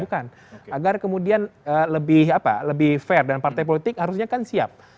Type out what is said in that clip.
bukan agar kemudian lebih fair dan partai politik harusnya kan siap